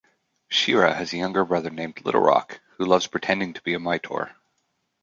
Sheera has a younger brother named Little Rok, who loves pretending to be Mightor.